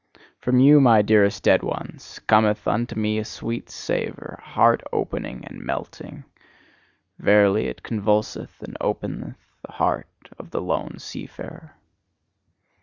From you, my dearest dead ones, cometh unto me a sweet savour, heart opening and melting. Verily, it convulseth and openeth the heart of the lone seafarer.